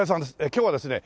今日はですね